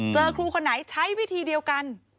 เจอครูคนไหนใช้วิธีเดียวกัน